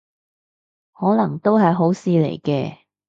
可能都係好事嚟嘅